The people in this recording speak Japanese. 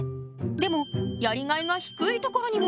でもやりがいが低いところにもある。